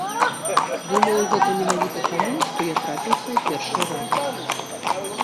Думаю, гэта менавіта таму, што я трапіўся ў першы раз.